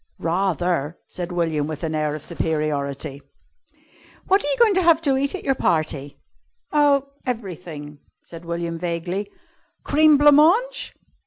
"Rather!" said William with an air of superiority. "What are you going to have to eat at your party?" "Oh everything," said William vaguely. "Cream blanc mange?"